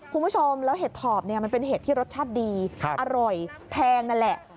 คุณผู้ชมแล้วเห็ดถอบเนี่ยมันเป็นเห็ดที่รสชาติดีอร่อยแพงนั่นแหละ